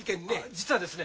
実はですね。